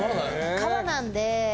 革なんで。